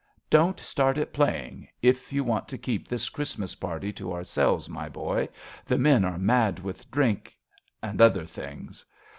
E 49 RADA Don't start it playing, if you want t< keep This Christmas party to ourselves, m; boy. The men are mad with drink, and other things.